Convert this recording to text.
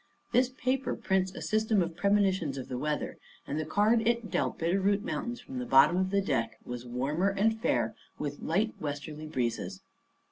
This paper prints a system of premonitions of the weather, and the card it dealt Bitter Root Mountains from the bottom of the deck was "warmer and fair, with light westerly breezes."